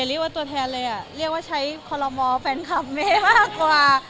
เรียกว่าตัวแทนเลยอ่ะเรียกว่าใช้คอลโมแฟนคลับเมย์มากกว่า